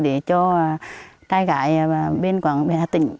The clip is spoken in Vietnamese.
để cho trai gái bên hà tĩnh